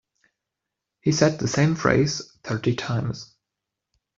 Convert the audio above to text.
He said the same phrase thirty times.